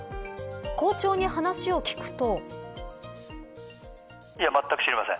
校長に話を聞くと。